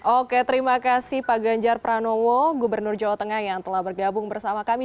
oke terima kasih pak ganjar pranowo gubernur jawa tengah yang telah bergabung bersama kami